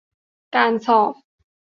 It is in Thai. การสอบ